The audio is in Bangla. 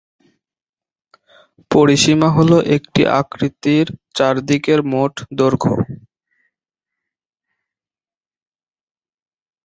পরিসীমা হল একটি আকৃতির চারদিকের মোট দৈর্ঘ্য।